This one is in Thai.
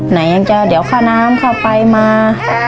ไหนยังจะเดี๋ยวค่าน้ำค่าไฟมา